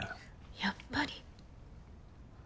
やっぱり？